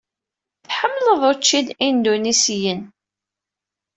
Tḥemmleḍ učči n Indunisyen?